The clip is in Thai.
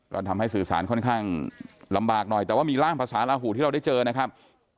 ก็ทำให้สื่อสารค่อนข้างลำบากหน่อยแต่ว่ามีร่างภาษาลาหูที่เราได้เจอนะครับ